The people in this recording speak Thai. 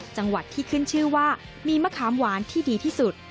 จังหวัดที่ขึ้นชื่อว่ามีมะขามหวานที่ดีที่สุด